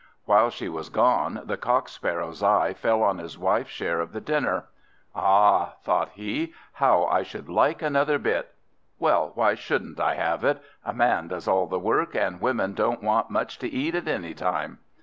While she was gone the Cock sparrow's eyes fell on his wife's share of the dinner. "Ah," thought he, "how I should like another bit! Well, why shouldn't I have it? A man does all the work, and women don't want much to eat at any time."